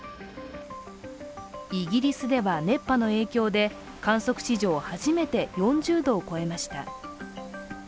イギリスでは熱波の影響で観測史上初めて４０度を超えました。